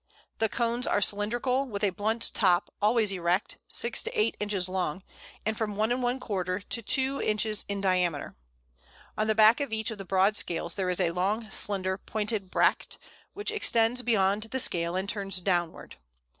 The cones are cylindrical, with a blunt top, always erect, 6 to 8 inches long, and from 1¼ to 2 inches in diameter. On the back of each of the broad scales there is a long, slender, pointed bract, which extends beyond the scale and turns downward.